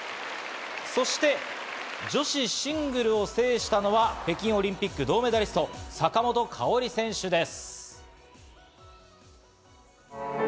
そして女子シングルを制したのは、北京オリンピック銅メダリスト・坂本花織選手です。